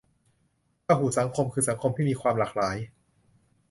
พหุสังคม คือสังคมที่มีความหลากหลาย